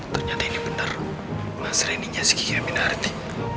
ternyata ini bener mas reni nya si kiki aminaharti